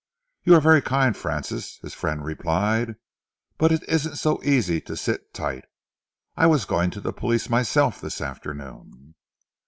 "You're very kind, Francis," his friend replied, "but it isn't so easy to sit tight. I was going to the police myself this afternoon."